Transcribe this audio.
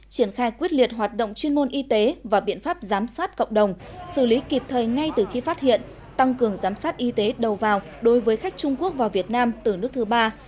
triển khai quyết liệt hoạt động chuyên môn y tế và biện pháp giám sát cộng đồng xử lý kịp thời ngay từ khi phát hiện tăng cường giám sát y tế đầu vào đối với khách trung quốc và việt nam từ nước thứ ba